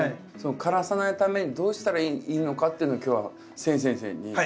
枯らさないためにどうしたらいいのかっていうのを今日は誓先生に。